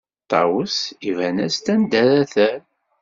Ṭawes iban-as-d anda ara terr.